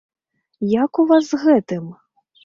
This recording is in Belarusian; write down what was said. Як у вас з гэтым?